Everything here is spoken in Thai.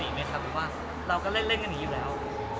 หรือว่าเราก็เล่นกันอยู่แล้ว